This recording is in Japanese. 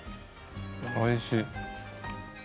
おいしい。